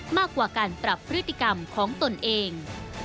มากกว่าการปรับพฤติกรรมของตนเอง